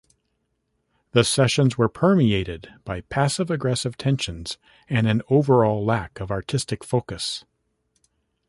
The sessions were permeated by passive-aggressive tensions and an overall lack of artistic focus.